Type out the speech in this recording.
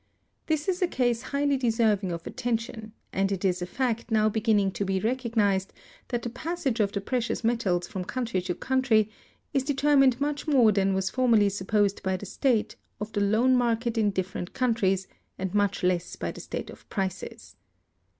This is a case highly deserving of attention; and it is a fact now beginning to be recognized that the passage of the precious metals from country to country is determined much more than was formerly supposed by the state of the loan market in different countries, and much less by the state of prices.